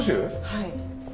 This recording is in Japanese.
はい。